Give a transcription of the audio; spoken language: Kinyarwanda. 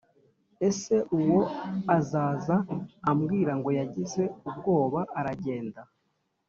Ese ubwo azaza ambwirango yagize ubwoba aragenda